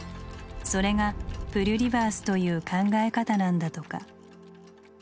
それがプリュリバースという考え方なんだとか。